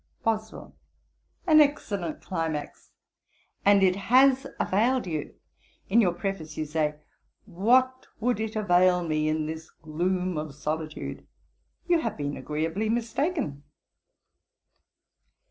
BOSWELL. 'An excellent climax! and it has availed you. In your Preface you say, "What would it avail me in this gloom of solitude?" You have been agreeably mistaken.'